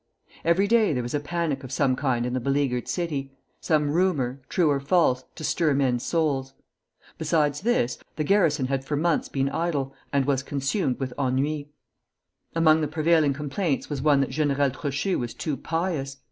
Every day there was a panic of some kind in the beleaguered city, some rumor, true or false, to stir men's souls. Besides this, the garrison had for months been idle, and was consumed with ennui. Among the prevailing complaints was one that General Trochu was too pious!